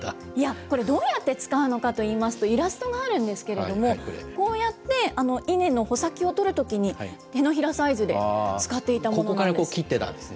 これどうやって使うのかといいますと、イラストがあるんですけれども、こうやってイネの穂先を取るときに、手のひらサイズでここから切ってたんですね。